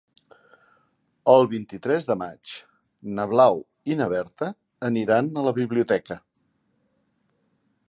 El vint-i-tres de maig na Blau i na Berta aniran a la biblioteca.